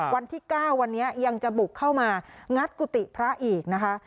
วันที่๙วันนี้ยังจะบุกเข้ามางัดกุฏิพระอีกนะคะ